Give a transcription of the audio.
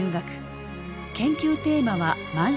研究テーマは満州事変。